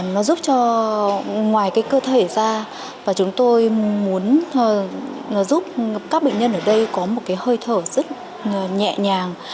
nó giúp cho ngoài cái cơ thể ra và chúng tôi muốn giúp các bệnh nhân ở đây có một cái hơi thở rất nhẹ nhàng